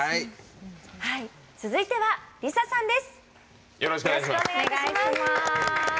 続いてはＬｉＳＡさんです。